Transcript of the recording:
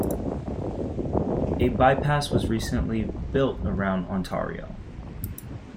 A bypass was recently built around Ontario.